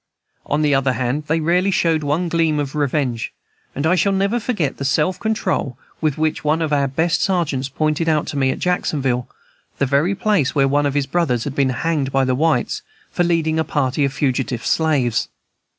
On the other hand, they rarely showed one gleam of revenge, and I shall never forget the self control with which one of our best sergeants pointed out to me, at Jacksonville, the very place where one of his brothers had been hanged by the whites for leading a party of fugitive slaves.